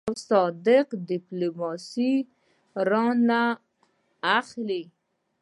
سپینه او صادقانه ډیپلوماسي را وانه خلي.